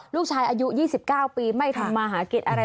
ลูกชายอายุ๒๙ปีไม่ทำมาหากินอะไร